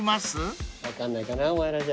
分かんないかなお前らじゃ。